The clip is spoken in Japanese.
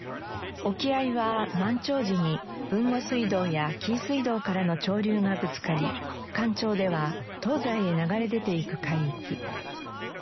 沖合は満潮時に豊後水道や紀伊水道からの潮流がぶつかり干潮では東西へ流れ出ていく海域。